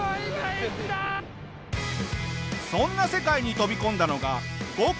そんな世界に飛び込んだのが。